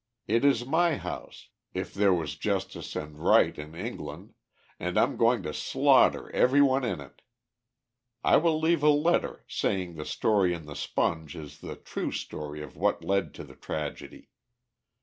It is my house, if there was justice and right in England, and I'm going to slaughter every one in it. I will leave a letter, saying the story in the Sponge is the true story of what led to the tragedy.